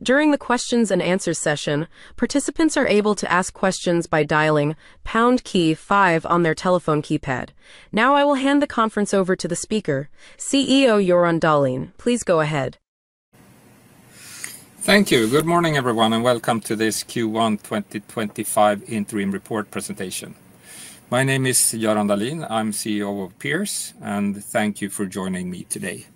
During the Q&A session, participants are able to ask questions by dialing pound key five on their telephone keypad. Now, I will hand the conference over to the speaker, CEO Göran Dahlin. Please go ahead. Thank you. Good morning, everyone, and welcome to this Q1 2025 Interim Report presentation. My name is Göran Dahlin, I'm CEO of Pierce, and thank you for joining me today.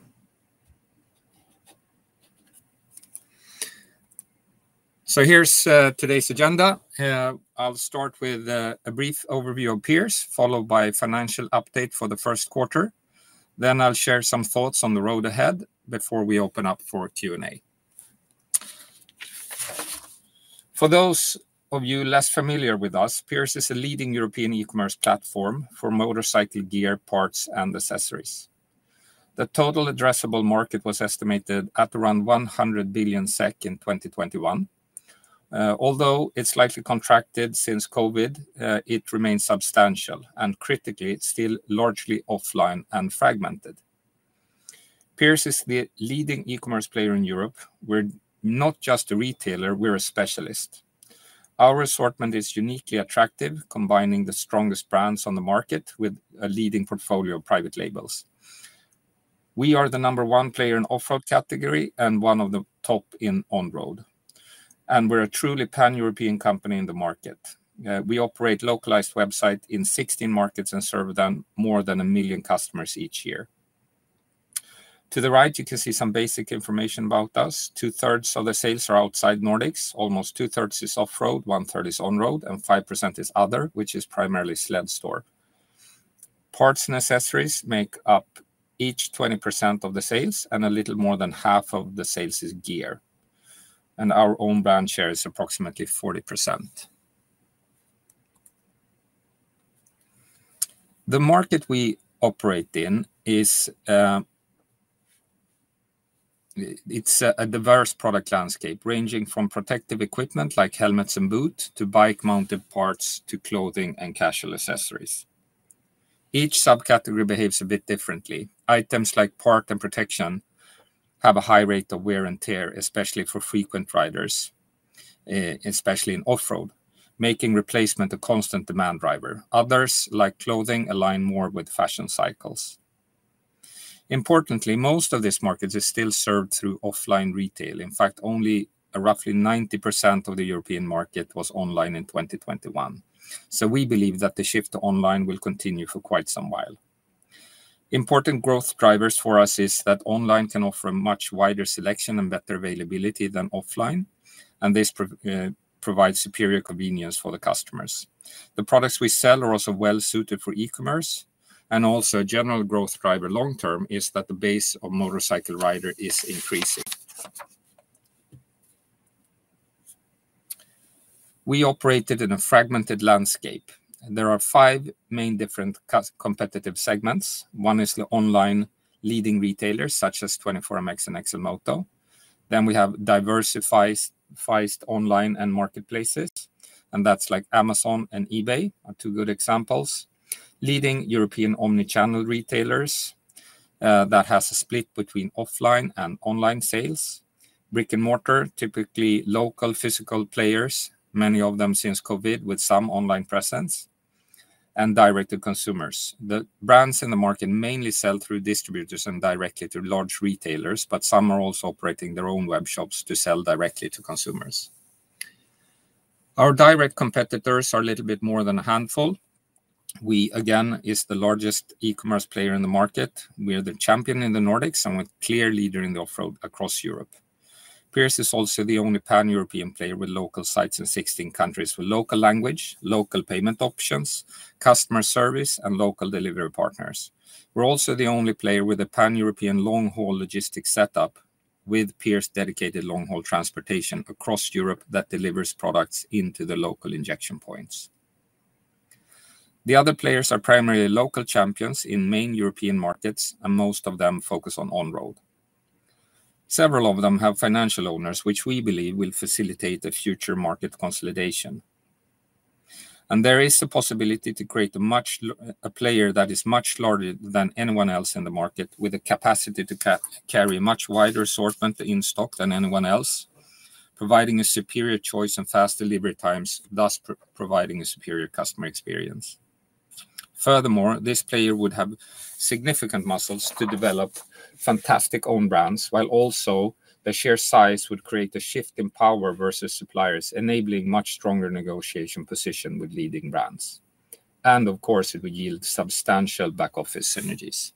Here's today's agenda. I'll start with a brief overview of Pierce, followed by a financial update for the first quarter. I'll share some thoughts on the road ahead before we open up for Q&A. For those of you less familiar with us, Pierce is a leading European e-commerce platform for motorcycle gear, parts, and accessories. The total addressable market was estimated at around 100 billion SEK in 2021. Although it's slightly contracted since COVID, it remains substantial and, critically, still largely offline and fragmented. Pierce is the leading e-commerce player in Europe. We're not just a retailer; we're a specialist. Our assortment is uniquely attractive, combining the strongest brands on the market with a leading portfolio of private labels. We are the number one player in off-road category and one of the top in on-road. We are a truly pan-European company in the market. We operate a localized website in 16 markets and serve more than a million customers each year. To the right, you can see some basic information about us. Two-thirds of the sales are outside Nordics, almost 2/3 is off-road, 1/3 is on-road, and 5% is other, which is primarily Sledstore. Parts and accessories make up each 20% of the sales, and a little more than half of the sales is gear. Our own brand share is approximately 40%. The market we operate in is a diverse product landscape, ranging from protective equipment like helmets and boots to bike-mounted parts to clothing and casual accessories. Each subcategory behaves a bit differently. Items like part and protection have a high rate of wear and tear, especially for frequent riders, especially in off-road, making replacement a constant demand driver. Others, like clothing, align more with fashion cycles. Importantly, most of this market is still served through offline retail. In fact, only roughly 10% of the European market was online in 2021. We believe that the shift to online will continue for quite some while. Important growth drivers for us are that online can offer a much wider selection and better availability than offline, and this provides superior convenience for the customers. The products we sell are also well-suited for e-commerce. A general growth driver long-term is that the base of motorcycle riders is increasing. We operate in a fragmented landscape. There are five main different competitive segments. One is the online leading retailers, such as 24MX and XLMOTO. Then we have diversified online and marketplaces, and that's like Amazon and eBay, two good examples. Leading European omnichannel retailers that have a split between offline and online sales. Brick and mortar, typically local physical players, many of them since COVID with some online presence, and direct-to-consumers. The brands in the market mainly sell through distributors and directly to large retailers, but some are also operating their own web shops to sell directly to consumers. Our direct competitors are a little bit more than a handful. We, again, are the largest e-commerce player in the market. We are the champion in the Nordics and a clear leader in the off-road across Europe. Pierce is also the only pan-European player with local sites in 16 countries, with local language, local payment options, customer service, and local delivery partners. We're also the only player with a pan-European long-haul logistics setup with Pierce dedicated long-haul transportation across Europe that delivers products into the local injection points. The other players are primarily local champions in main European markets, and most of them focus on on-road. Several of them have financial owners, which we believe will facilitate a future market consolidation. There is the possibility to create a player that is much larger than anyone else in the market, with the capacity to carry a much wider assortment in stock than anyone else, providing a superior choice and fast delivery times, thus providing a superior customer experience. Furthermore, this player would have significant muscles to develop fantastic own brands, while also the sheer size would create a shift in power versus suppliers, enabling a much stronger negotiation position with leading brands. Of course, it would yield substantial back-office synergies.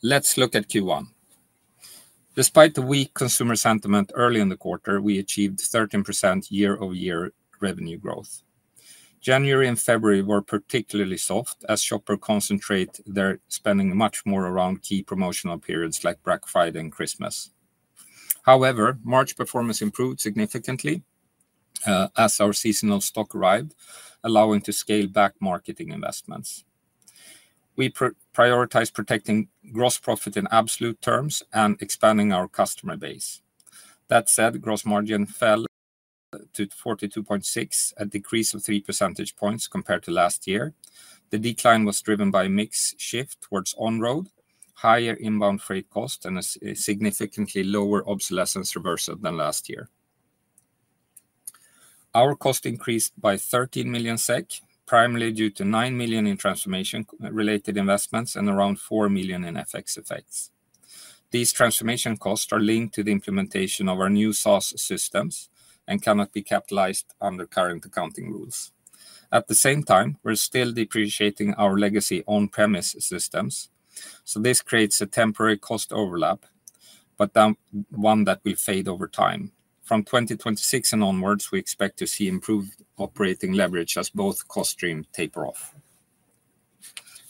Let's look at Q1. Despite the weak consumer sentiment early in the quarter, we achieved 13% year-over-year revenue growth. January and February were particularly soft as shoppers concentrate their spending much more around key promotional periods like Black Friday and Christmas. However, March performance improved significantly as our seasonal stock arrived, allowing us to scale back marketing investments. We prioritized protecting gross profit in absolute terms and expanding our customer base. That said, gross margin fell to 42.6%, a decrease of 3 percentage points compared to last year. The decline was driven by a mix shift towards on-road, higher inbound freight costs, and a significantly lower obsolescence reversal than last year. Our cost increased by 13 million SEK, primarily due to 9 million in transformation-related investments and around 4 million in FX effects. These transformation costs are linked to the implementation of our new SaaS systems and cannot be capitalized under current accounting rules. At the same time, we're still depreciating our legacy on-premise systems, so this creates a temporary cost overlap, but one that will fade over time. From 2026 and onwards, we expect to see improved operating leverage as both cost streams taper off.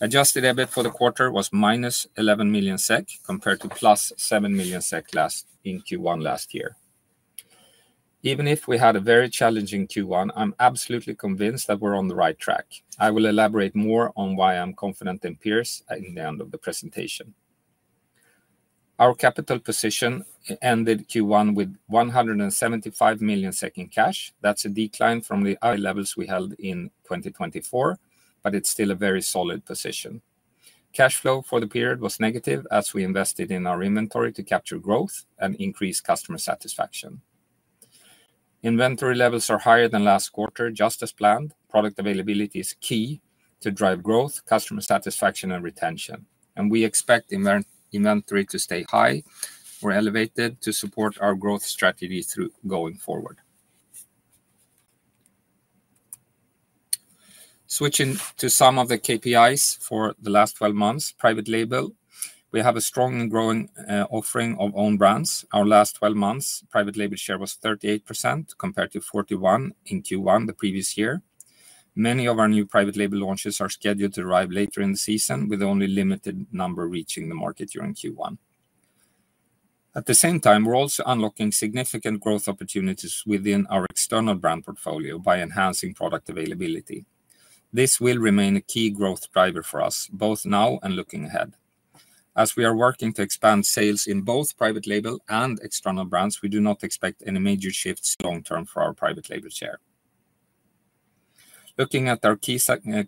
Adjusted EBIT for the quarter was -11 million SEK compared to +7 million SEK in Q1 last year. Even if we had a very challenging Q1, I'm absolutely convinced that we're on the right track. I will elaborate more on why I'm confident in Pierce at the end of the presentation. Our capital position ended Q1 with 175 million in cash. That's a decline from the high levels we held in 2024, but it's still a very solid position. Cash flow for the period was negative as we invested in our inventory to capture growth and increase customer satisfaction. Inventory levels are higher than last quarter, just as planned. Product availability is key to drive growth, customer satisfaction, and retention. We expect inventory to stay high or elevated to support our growth strategy going forward. Switching to some of the KPIs for the last 12 months, Private Label, we have a strong and growing offering of own brands. Our last 12 months, Private Label share was 38% compared to 41% in Q1 the previous year. Many of our new Private Label launches are scheduled to arrive later in the season, with only a limited number reaching the market during Q1. At the same time, we are also unlocking significant growth opportunities within our external brand portfolio by enhancing product availability. This will remain a key growth driver for us, both now and looking ahead. As we are working to expand sales in both Private Label and external brands, we do not expect any major shifts long-term for our Private Label share. Looking at our key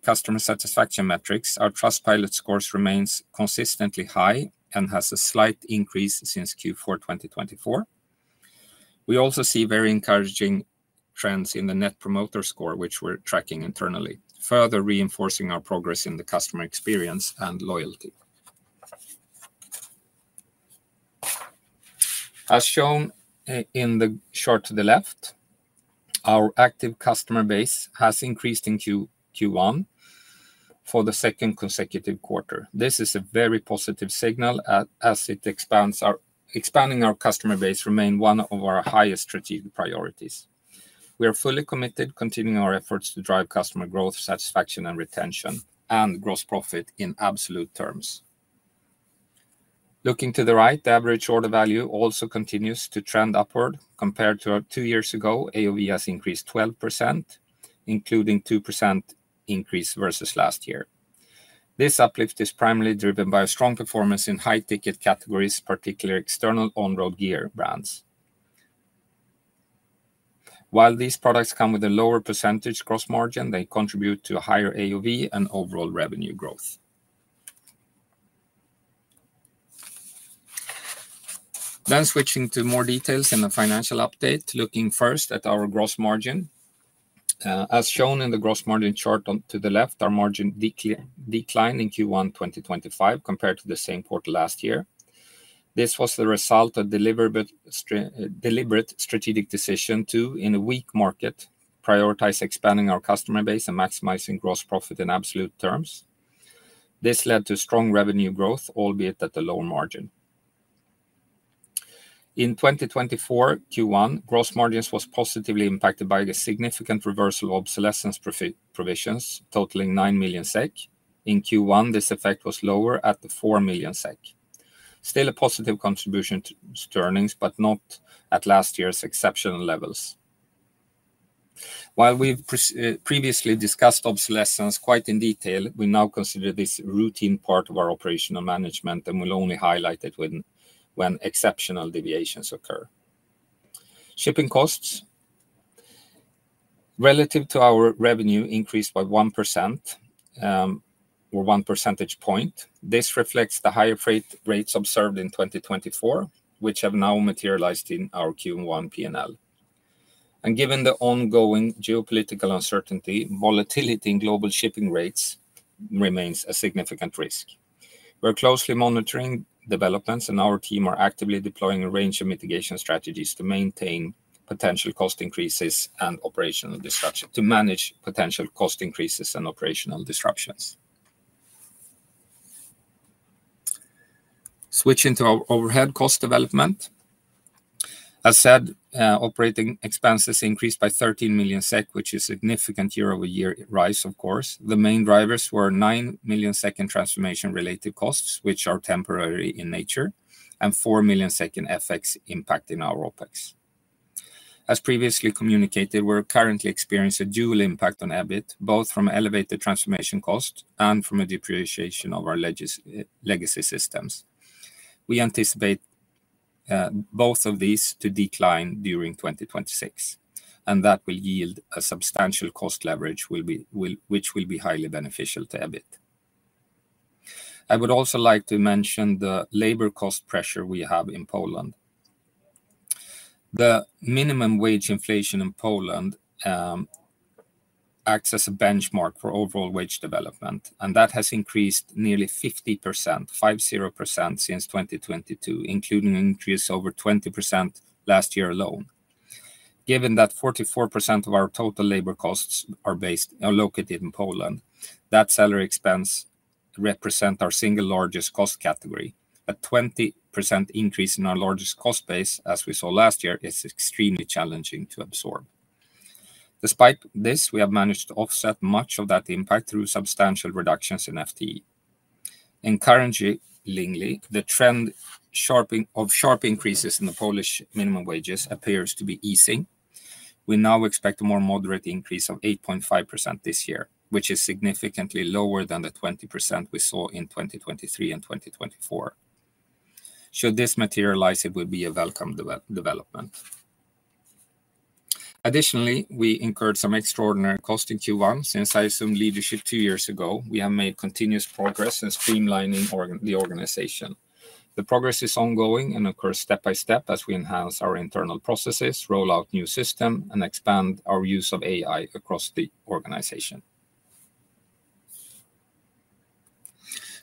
customer satisfaction metrics, our Trustpilot scores remain consistently high and have a slight increase since Q4 2024. We also see very encouraging trends in the Net Promoter Score, which we're tracking internally, further reinforcing our progress in the customer experience and loyalty. As shown in the chart to the left, our active customer base has increased in Q1 for the second consecutive quarter. This is a very positive signal as expanding our customer base remains one of our highest strategic priorities. We are fully committed to continuing our efforts to drive customer growth, satisfaction, retention, and gross profit in absolute terms. Looking to the right, the average order value also continues to trend upward. Compared to two years ago, AOV has increased 12%, including a 2% increase versus last year. This uplift is primarily driven by strong performance in high-ticket categories, particularly external on-road gear brands. While these products come with a lower percentage gross margin, they contribute to a higher AOV and overall revenue growth. Switching to more details in the financial update, looking first at our gross margin. As shown in the gross margin chart to the left, our margin declined in Q1 2025 compared to the same quarter last year. This was the result of a deliberate strategic decision to, in a weak market, prioritize expanding our customer base and maximizing gross profit in absolute terms. This led to strong revenue growth, albeit at a lower margin. In 2024 Q1, gross margins were positively impacted by the significant reversal of obsolescence provisions, totaling 9 million SEK. In Q1, this effect was lower at 4 million SEK. Still a positive contribution to earnings, but not at last year's exceptional levels. While we've previously discussed obsolescence quite in detail, we now consider this a routine part of our operational management and will only highlight it when exceptional deviations occur. Shipping costs, relative to our revenue, increased by 1% or one percentage point. This reflects the higher freight rates observed in 2024, which have now materialized in our Q1 P&L. Given the ongoing geopolitical uncertainty, volatility in global shipping rates remains a significant risk. We're closely monitoring developments, and our team is actively deploying a range of mitigation strategies to manage potential cost increases and operational disruptions. Switching to overhead cost development. As said, operating expenses increased by 13 million SEK, which is a significant year-over-year rise, of course. The main drivers were 9 million SEK in transformation-related costs, which are temporary in nature, and 4 million SEK in FX impact in our OpEx. As previously communicated, we're currently experiencing a dual impact on EBIT, both from elevated transformation costs and from a depreciation of our legacy systems. We anticipate both of these to decline during 2026, and that will yield a substantial cost leverage, which will be highly beneficial to EBIT. I would also like to mention the labor cost pressure we have in Poland. The minimum wage inflation in Poland acts as a benchmark for overall wage development, and that has increased nearly 50% since 2022, including an increase of over 20% last year alone. Given that 44% of our total labor costs are located in Poland, that salary expense represents our single largest cost category. A 20% increase in our largest cost base, as we saw last year, is extremely challenging to absorb. Despite this, we have managed to offset much of that impact through substantial reductions in FTE. Encouragingly, the trend of sharp increases in the Polish minimum wages appears to be easing. We now expect a more moderate increase of 8.5% this year, which is significantly lower than the 20% we saw in 2023 and 2024. Should this materialize, it would be a welcome development. Additionally, we incurred some extraordinary costs in Q1. Since I assumed leadership two years ago, we have made continuous progress in streamlining the organization. The progress is ongoing and occurs step by step as we enhance our internal processes, roll out new systems, and expand our use of AI across the organization.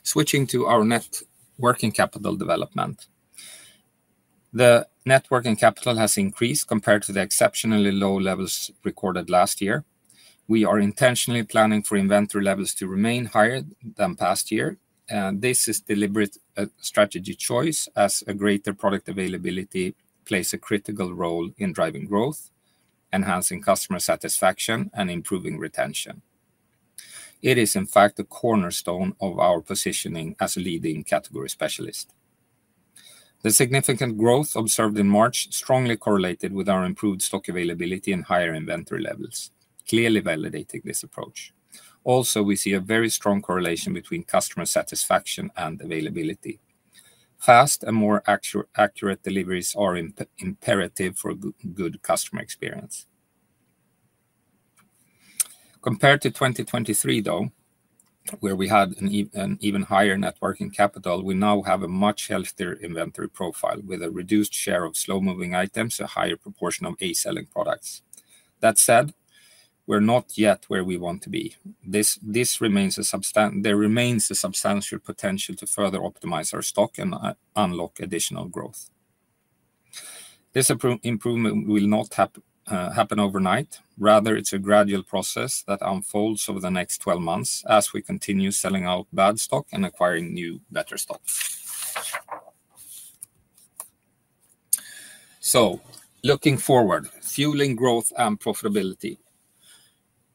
Switching to our net working capital development. The net working capital has increased compared to the exceptionally low levels recorded last year. We are intentionally planning for inventory levels to remain higher than last year. This is a deliberate strategy choice as a greater product availability plays a critical role in driving growth, enhancing customer satisfaction, and improving retention. It is, in fact, a cornerstone of our positioning as a leading category specialist. The significant growth observed in March strongly correlated with our improved stock availability and higher inventory levels, clearly validating this approach. Also, we see a very strong correlation between customer satisfaction and availability. Fast and more accurate deliveries are imperative for good customer experience. Compared to 2023, though, where we had an even higher net working capital, we now have a much healthier inventory profile with a reduced share of slow-moving items and a higher proportion of A-selling products. That said, we're not yet where we want to be. There remains a substantial potential to further optimize our stock and unlock additional growth. This improvement will not happen overnight. Rather, it's a gradual process that unfolds over the next 12 months as we continue selling out bad stock and acquiring new, better stock. Looking forward, fueling growth and profitability,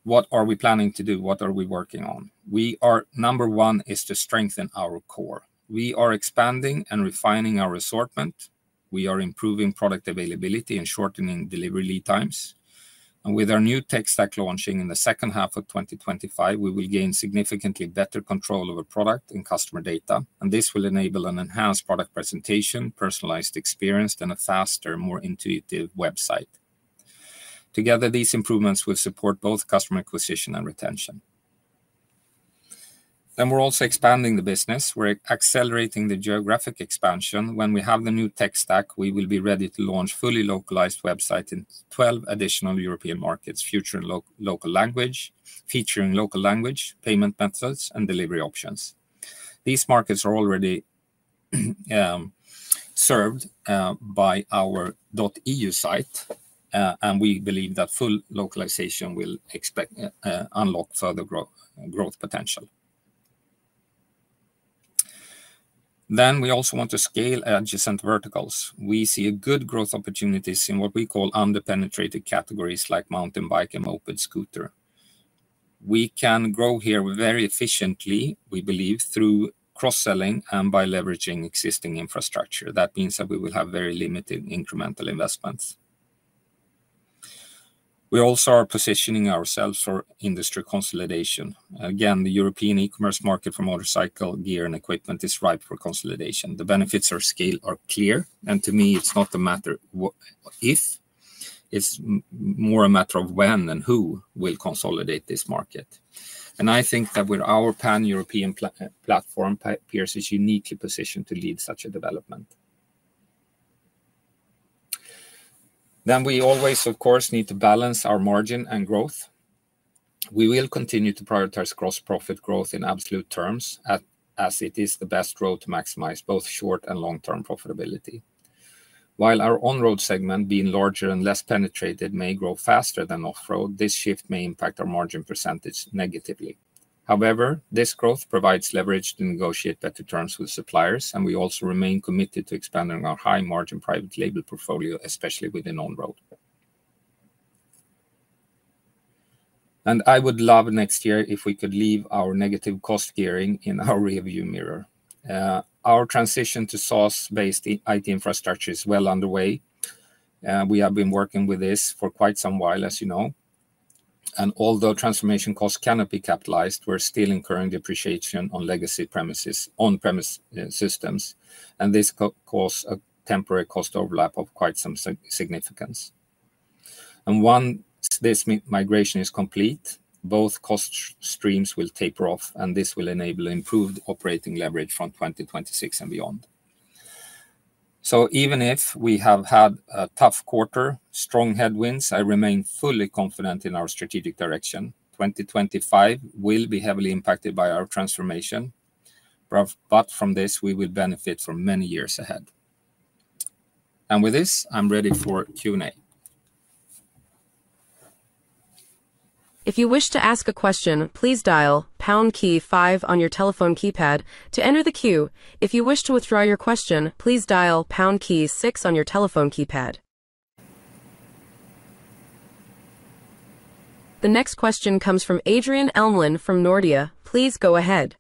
what are we planning to do? What are we working on? Number one is to strengthen our core. We are expanding and refining our assortment. We are improving product availability and shortening delivery lead times. With our new tech stack launching in the second half of 2025, we will gain significantly better control over product and customer data. This will enable an enhanced product presentation, personalized experience, and a faster, more intuitive website. Together, these improvements will support both customer acquisition and retention. We are also expanding the business. We are accelerating the geographic expansion. When we have the new tech stack, we will be ready to launch a fully localized website in 12 additional European markets, featuring local language, payment methods, and delivery options. These markets are already served by our .eu site, and we believe that full localization will unlock further growth potential. We also want to scale adjacent verticals. We see good growth opportunities in what we call underpenetrated categories like mountain bike and moped/scooter. We can grow here very efficiently, we believe, through cross-selling and by leveraging existing infrastructure. That means that we will have very limited incremental investments. We also are positioning ourselves for industry consolidation. Again, the European e-commerce market for motorcycle gear and equipment is ripe for consolidation. The benefits of scale are clear. To me, it's not a matter of if; it's more a matter of when and who will consolidate this market. I think that with our pan-European platform, Pierce is uniquely positioned to lead such a development. We always, of course, need to balance our margin and growth. We will continue to prioritize gross profit growth in absolute terms as it is the best road to maximize both short and long-term profitability. While our on-road segment, being larger and less penetrated, may grow faster than off-road, this shift may impact our margin percentage negatively. However, this growth provides leverage to negotiate better terms with suppliers, and we also remain committed to expanding our high-margin Private Label portfolio, especially within on-road. I would love next year if we could leave our negative cost gearing in our rearview mirror. Our transition to SaaS-based IT infrastructure is well underway. We have been working with this for quite some while, as you know. Although transformation costs cannot be capitalized, we're still incurring depreciation on legacy systems. This causes a temporary cost overlap of quite some significance. Once this migration is complete, both cost streams will taper off, and this will enable improved operating leverage from 2026 and beyond. Even if we have had a tough quarter, strong headwinds, I remain fully confident in our strategic direction. 2025 will be heavily impacted by our transformation, but from this, we will benefit for many years ahead. With this, I'm ready for Q&A. If you wish to ask a question, please dial pound key five on your telephone keypad to enter the queue. If you wish to withdraw your question, please dial pound key six on your telephone keypad. The next question comes from Adrian Elmlund from Nordea. Please go ahead.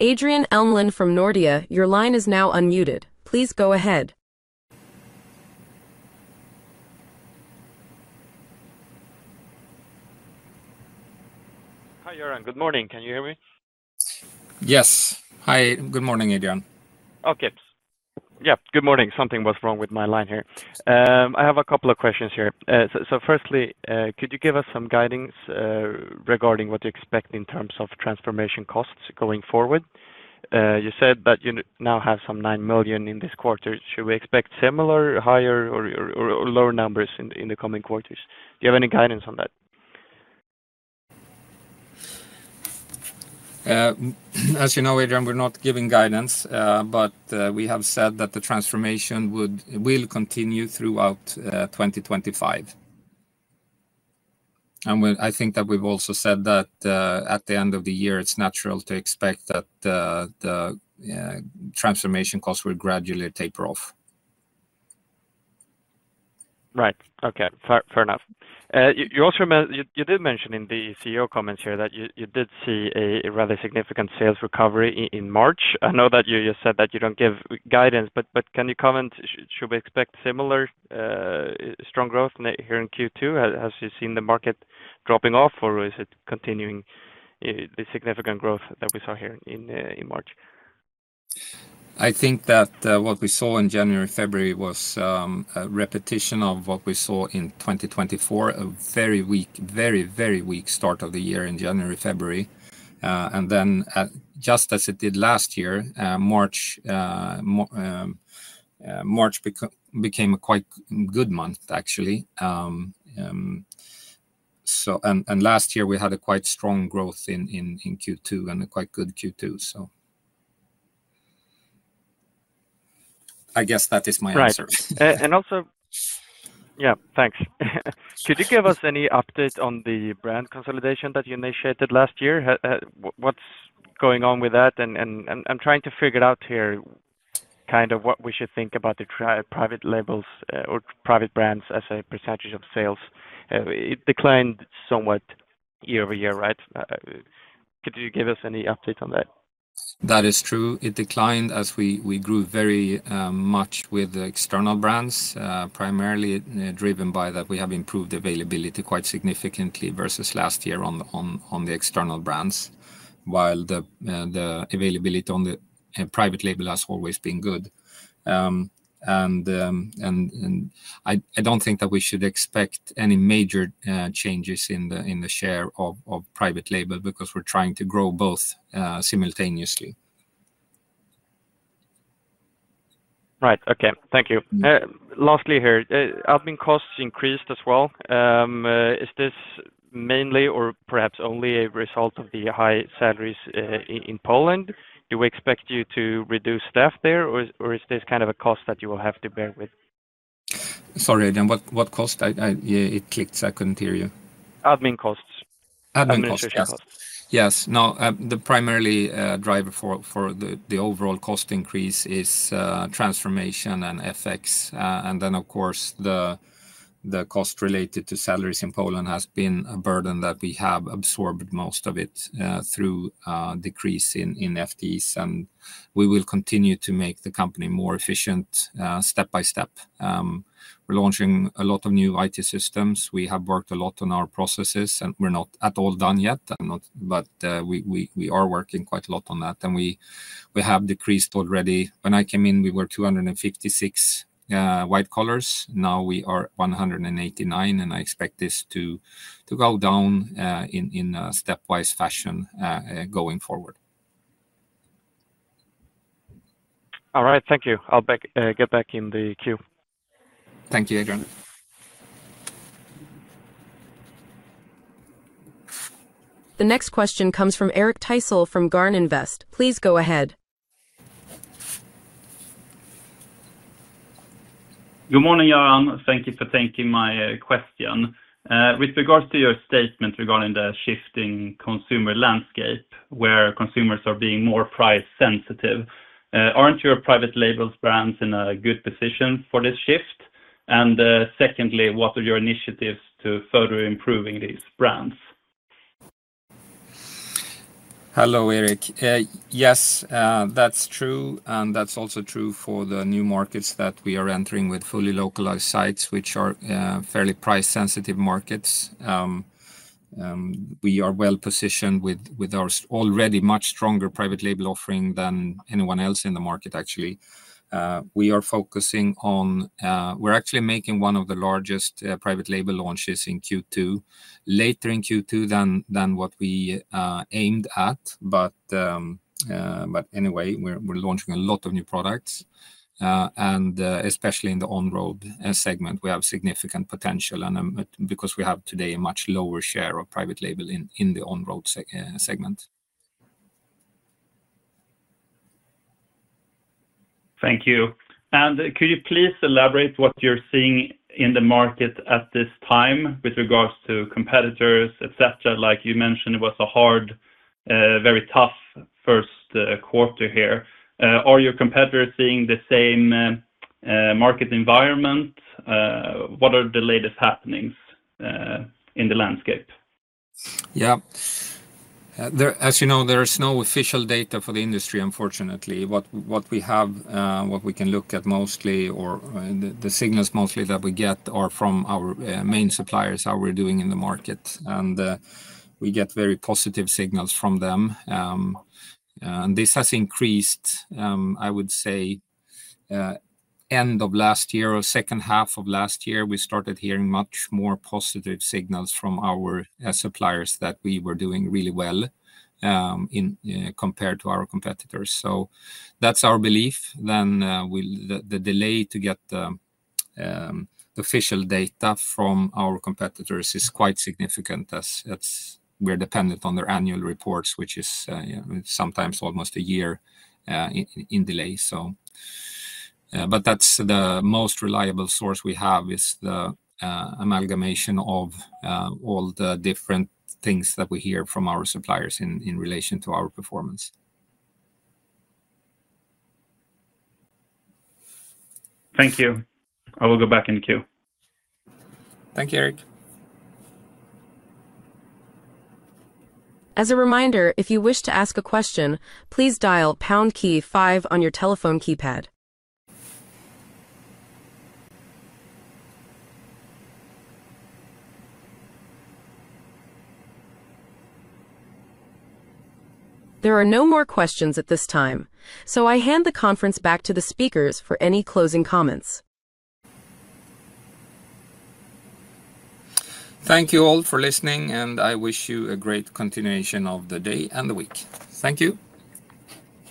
Adrian Elmlund from Nordea, your line is now unmuted. Please go ahead. Hi Göran, good morning. Can you hear me? Yes. Hi, good morning, Adrian. Okay. Yeah, good morning. Something was wrong with my line here. I have a couple of questions here. Firstly, could you give us some guidance regarding what to expect in terms of transformation costs going forward? You said that you now have some 9 million in this quarter. Should we expect similar, higher, or lower numbers in the coming quarters? Do you have any guidance on that? As you know, Adrian, we're not giving guidance, but we have said that the transformation will continue throughout 2025. I think that we've also said that at the end of the year, it's natural to expect that the transformation costs will gradually taper off. Right. Okay. Fair enough. You did mention in the CEO comments here that you did see a rather significant sales recovery in March. I know that you said that you don't give guidance, but can you comment, should we expect similar strong growth here in Q2? Have you seen the market dropping off, or is it continuing the significant growth that we saw here in March? I think that what we saw in January and February was a repetition of what we saw in 2024, a very weak, very, very weak start of the year in January and February. Just as it did last year, March became a quite good month, actually. Last year, we had a quite strong growth in Q2 and a quite good Q2, so I guess that is my answer. Right. Also, yeah, thanks. Could you give us any update on the brand consolidation that you initiated last year? What's going on with that? I'm trying to figure out here kind of what we should think about the private labels or private brands as a percentage of sales. It declined somewhat year over year, right? Could you give us any updates on that? That is true. It declined as we grew very much with external brands, primarily driven by that we have improved availability quite significantly versus last year on the external brands, while the availability on the Private Label has always been good. I do not think that we should expect any major changes in the share of Private Label because we are trying to grow both simultaneously. Right. Okay. Thank you. Lastly here, admin costs increased as well. Is this mainly or perhaps only a result of the high salaries in Poland? Do we expect you to reduce staff there, or is this kind of a cost that you will have to bear with? Sorry, Adrian, what cost? It clicked. I could not hear you. Admin costs. Administration costs. Yes. No, the primary driver for the overall cost increase is transformation and FX. Of course, the cost related to salaries in Poland has been a burden that we have absorbed most of it through a decrease in FTEs. We will continue to make the company more efficient step by step. We're launching a lot of new IT systems. We have worked a lot on our processes, and we're not at all done yet. We are working quite a lot on that. We have decreased already. When I came in, we were 256 white-collars. Now we are 189, and I expect this to go down in a stepwise fashion going forward. All right. Thank you. I'll get back in the queue. Thank you, Adrian. The next question comes from Eric Thysell from Garn Invest. Please go ahead. Good morning, Göran. Thank you for taking my question. With regards to your statement regarding the shifting consumer landscape where consumers are being more price-sensitive, aren't your private labels brands in a good position for this shift? And secondly, what are your initiatives to further improving these brands? Hello, Eric. Yes, that's true. That is also true for the new markets that we are entering with fully localized sites, which are fairly price-sensitive markets. We are well positioned with our already much stronger Private Label offering than anyone else in the market, actually. We are focusing on, we're actually making one of the largest Private Label launches in Q2, later in Q2 than what we aimed at. Anyway, we're launching a lot of new products. Especially in the on-road segment, we have significant potential because we have today a much lower share of Private Label in the on-road segment. Thank you. Could you please elaborate what you're seeing in the market at this time with regards to competitors, etc.? Like you mentioned, it was a hard, very tough first quarter here. Are your competitors seeing the same market environment? What are the latest happenings in the landscape? Yeah. As you know, there is no official data for the industry, unfortunately. What we have, what we can look at mostly, or the signals mostly that we get are from our main suppliers how we're doing in the market. We get very positive signals from them. This has increased, I would say, end of last year or second half of last year, we started hearing much more positive signals from our suppliers that we were doing really well compared to our competitors. That's our belief. The delay to get the official data from our competitors is quite significant as we're dependent on their annual reports, which is sometimes almost a year in delay. That is the most reliable source we have, the amalgamation of all the different things that we hear from our suppliers in relation to our performance. Thank you. I will go back in the queue. Thank you, Eric. As a reminder, if you wish to ask a question, please dial pound key five on your telephone keypad. There are no more questions at this time. I hand the conference back to the speakers for any closing comments. Thank you all for listening, and I wish you a great continuation of the day and the week. Thank you.